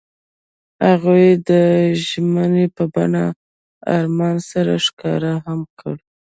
هغوی د ژمنې په بڼه آرمان سره ښکاره هم کړه.